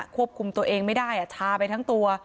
ควบคุมตัวเองไม่ได้ชาไปทั้งตัว